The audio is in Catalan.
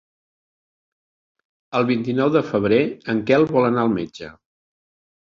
El vint-i-nou de febrer en Quel vol anar al metge.